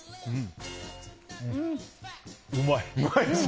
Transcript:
うまい！